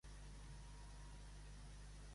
I Micó creu que el que estan fent és de profit?